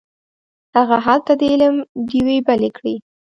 هغه هلته د علم ډیوې بلې کړې.